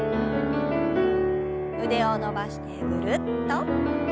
腕を伸ばしてぐるっと。